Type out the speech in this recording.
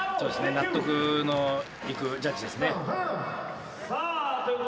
納得のいくジャッジですね。